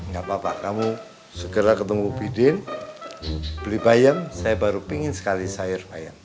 gak apa apa kamu segera ketemu bidin beli bayam saya baru pingin sekali sayur bayam